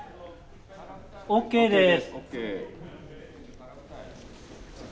ＯＫです。